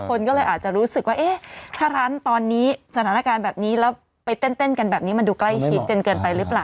คนก็เลยอาจจะรู้สึกว่าเอ๊ะถ้าร้านตอนนี้สถานการณ์แบบนี้แล้วไปเต้นกันแบบนี้มันดูใกล้ชิดจนเกินไปหรือเปล่า